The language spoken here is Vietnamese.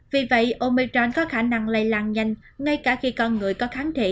vì vậy omechain có khả năng lây lan nhanh ngay cả khi con người có kháng thể